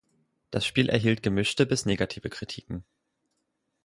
Das Spiel erhielt gemischte bis negative Kritiken.